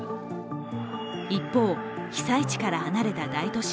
一方、被災地から離れた大都市